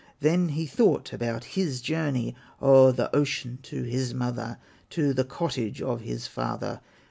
Then he thought about his journey O'er the ocean to his mother, To the cottage of his father.